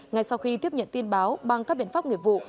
ngay sau khi tiếp nhận tin báo bằng các biện pháp nghiệp vụ